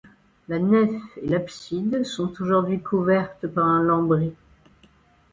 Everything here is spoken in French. La nef et l'abside sont aujourd'hui couvertes par un lambris.